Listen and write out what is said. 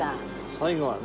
最後はね。